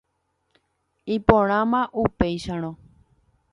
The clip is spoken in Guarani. Iporãma upéicharõ.